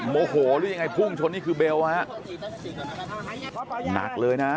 โมโหหรือยังไงพุ่งชนนี่คือเบลฮะหนักเลยนะ